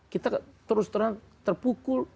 kita terus terpukul